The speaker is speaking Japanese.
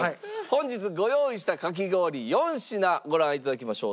本日ご用意したかき氷４品ご覧頂きましょう。